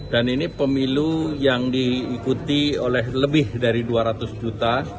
dan ini pemilu yang diikuti oleh lebih dari dua ratus juta